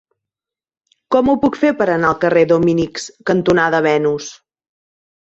Com ho puc fer per anar al carrer Dominics cantonada Venus?